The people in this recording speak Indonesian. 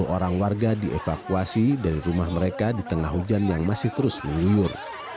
sepuluh orang warga dievakuasi dari rumah mereka di tengah hujan yang masih terus menguyur